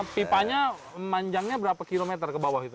pipanya manjangnya berapa kilometer ke bawah itu